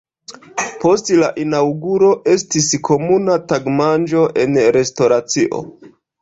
Post la inaŭguro estis komuna tagmanĝo en restoracio.